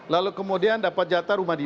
lalu kemudian dapat jatah rumah di